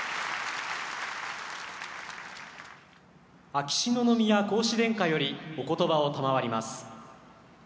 秋篠宮皇嗣殿下よりおことばを賜ります。